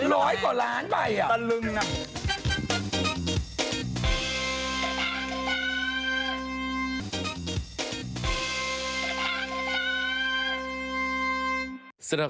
ร้อยกว่าล้านใบอ่ะ